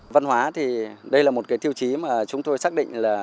văn hóa thì đây là một cái tiêu chí mà chúng tôi xác định là